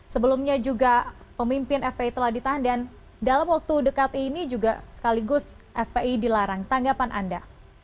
sebelumnya juga pemimpin fpi telah ditahan dan dalam waktu dekat ini juga sekaligus fpi dilarang tanggapan anda